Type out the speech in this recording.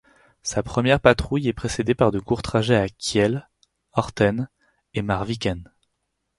Sa première patrouille est précédée par de courts trajets à Kiel, Horten et Marviken.